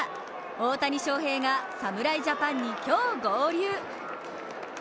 大谷翔平が侍ジャパンに今日合流。